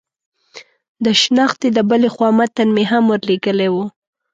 د شنختې د بلې خوا متن مې هم ور لېږلی و.